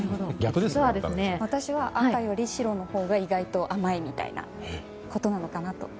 私は赤より白のほうが意外と甘いみたいなことなのかなと。